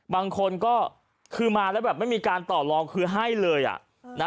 บางคนก็คือมาแล้วแบบไม่มีการต่อลองคือให้เลยอ่ะนะ